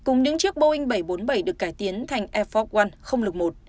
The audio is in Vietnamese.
cùng những chiếc boeing bảy trăm bốn mươi bảy được cải tiến thành air force one sáu mươi một